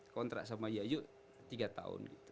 kontrak sama yayu tiga tahun gitu